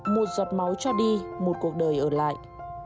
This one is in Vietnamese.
một giọt máu cho đi một cuộc đời ở lại